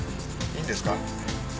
いいんですか？